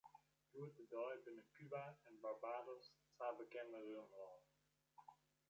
Hjoed-de-dei binne Kuba en Barbados twa bekende rumlannen.